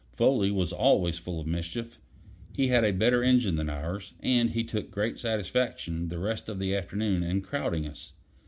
Foley was always full of mischief. He had a better engine than ours, and he took great satisfaction the rest of the afternoon in crowding us.